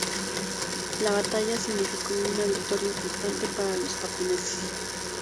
La batalla significó una victoria importante para los japoneses.